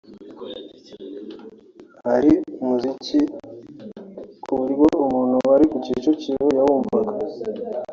Hari umuziki ku buryo umuntu wari ku Kicukiro yawumvaga